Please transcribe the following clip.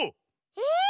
え！